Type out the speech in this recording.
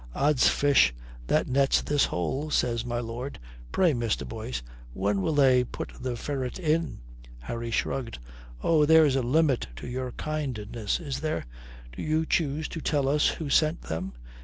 "Ods fish, that nets this hole," says my lord. "Pray, Mr. Boyce, when will they put the ferret in?" Harry shrugged. "Oh, there's a limit to your kindness, is there? Do you choose to tell us who sent them?"